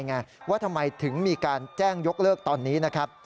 เข้าใจไงว่าทำไมถึงมีการแจ้งยกเลิกตอนนี้